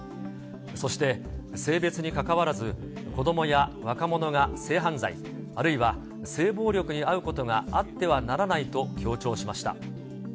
そして、性別にかかわらず、子どもや若者が性犯罪、あるいは性暴力に遭うことがあってはならないと強調しました。